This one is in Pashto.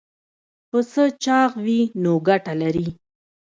پسه چاغ وي نو ګټه لري.